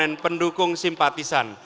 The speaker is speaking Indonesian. pembangunan pendukung simpatisan